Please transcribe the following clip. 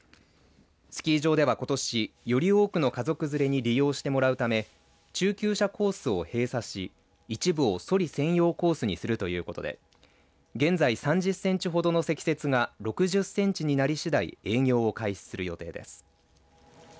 スキー場では、ことしより多くの家族連れに利用してもらうため中級者コースを閉鎖し一部をソリ専用のコースにするということで現在３０センチほどの積雪が６０センチになり次第営業を開始する予定です。